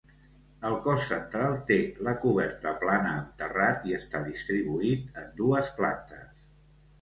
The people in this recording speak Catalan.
El cos central té la coberta plana amb terrat i està distribuït en dues plantes.